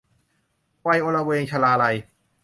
วัยอลเวง - ชลาลัย